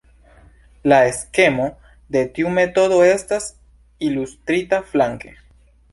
La skemo de tiu metodo estas ilustrita flanke.